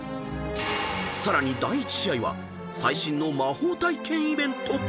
［さらに第１試合は最新の魔法体験イベント］